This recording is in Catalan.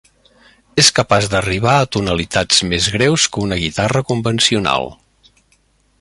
És capaç d'arribar a tonalitats més greus que una guitarra convencional.